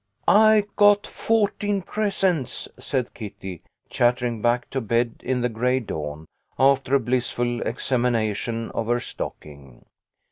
" I got fourteen presents," said Kitty, chattering back to bed in the gray dawn, after a blissful examination of her stocking.